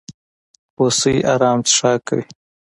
هوسۍ ارام څښاک کوي.